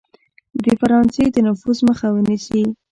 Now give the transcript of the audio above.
د فرانسې د نفوذ مخه ونیسي.